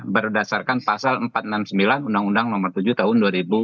berdasarkan pasal empat ratus enam puluh sembilan undang undang nomor tujuh tahun dua ribu empat belas